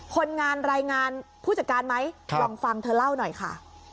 คนงานรายงานผู้จัดการไหมลองฟังเธอเล่าหน่อยค่ะ